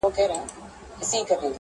لږ مي درکه، خوند ئې درکه.